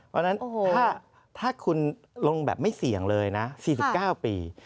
เพราะฉะนั้นถ้าคุณลงแบบไม่เสี่ยงเลยนะ๔๙ปี